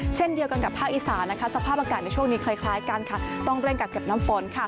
เช่นเดียวกันกับภาคอีสานสภาพอากาศในช่วงนี้คล้ายกันต้องเร่งกักเก็บน้ำฝน